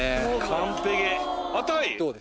完璧。